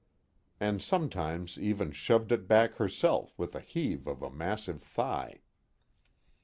And sometimes even shoved it back herself with a heave of a massive thigh.